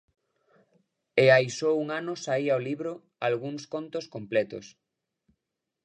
E hai só un ano saía o libro 'Algúns contos completos'.